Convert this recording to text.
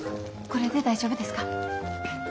これで大丈夫ですか？